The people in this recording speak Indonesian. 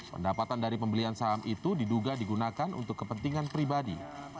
pendapatan dari pembelian saham itu diduga digunakan untuk kepentingan pribadi